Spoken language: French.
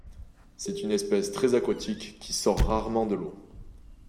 C'est une espèce très aquatique qui sort rarement l'eau.